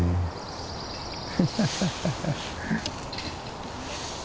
ハハハハ。